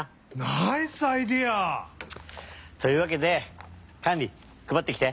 ナイスアイデア！というわけでカンリくばってきて。